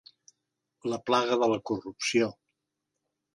La plaga de la corrupció.